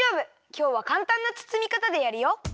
きょうはかんたんなつつみかたでやるよ。